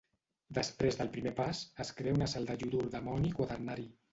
Després del primer pas, es crea una sal de iodur d'amoni quaternari.